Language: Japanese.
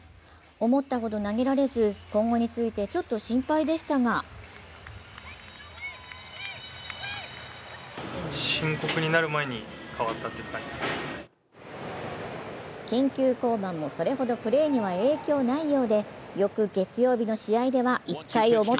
思ったほど投げられず今後についてちょっと心配でしたが緊急降板もそれほどプレーには影響ないようで、翌月曜日の試合では１回表